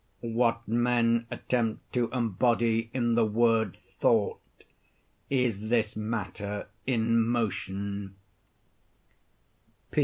What men attempt to embody in the word "thought," is this matter in motion.